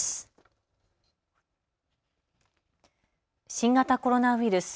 新型コロナウイルス。